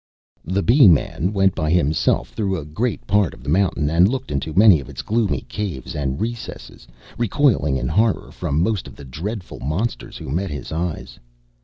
The Bee man went by himself through a great part of the mountain, and looked into many of its gloomy caves and recesses, recoiling in horror from most of the dreadful monsters who met his eyes.